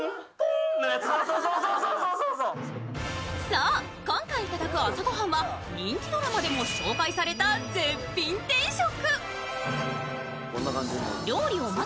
そう、今回いただく朝ご飯は人気ドラマでも紹介された絶品定食。